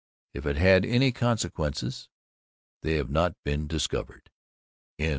If it had any consequences, they have not been discovered.